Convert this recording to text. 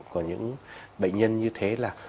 của những bệnh nhân như thế là